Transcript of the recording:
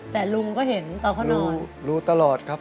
แต่ลุงก็เห็นตอนเขานอนรู้ตลอดครับ